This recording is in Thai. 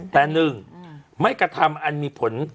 แต่หนึ่งไม่กระทำอันมีผล